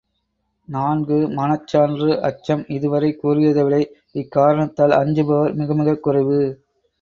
நான்கு மனச்சான்று அச்சம் இதுவரை கூறியதைவிட இக்காரணத்தால் அஞ்சுபவர் மிகமிகக் குறைவு.